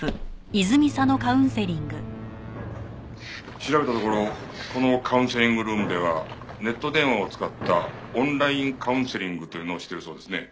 調べたところこのカウンセリングルームではネット電話を使ったオンラインカウンセリングというのをしてるそうですね。